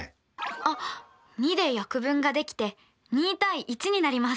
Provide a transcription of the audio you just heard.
あっ２で約分ができて２：１になります。